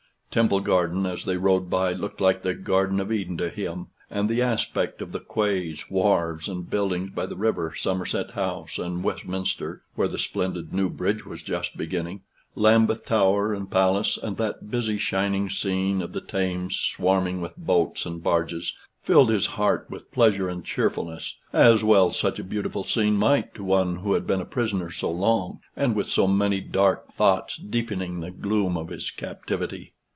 Temple Garden, as they rowed by, looked like the garden of Eden to him, and the aspect of the quays, wharves, and buildings by the river, Somerset House, and Westminster (where the splendid new bridge was just beginning), Lambeth tower and palace, and that busy shining scene of the Thames swarming with boats and barges, filled his heart with pleasure and cheerfulness as well such a beautiful scene might to one who had been a prisoner so long, and with so many dark thoughts deepening the gloom of his captivity.